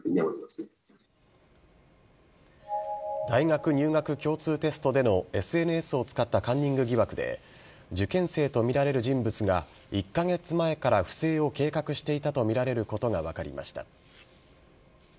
大学入学共通テストでのＳＮＳを使ったカンニング疑惑で受験生とみられる人物が１カ月前から不正を計画していたとみられることが分かりました。